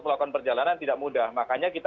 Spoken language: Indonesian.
melakukan perjalanan tidak mudah makanya kita